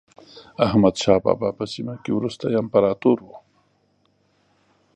احمد شاه بابا په سیمه کې وروستی امپراتور و.